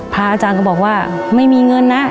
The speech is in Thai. พระอาจารย์ก็บอกว่าไม่มีเงินนะ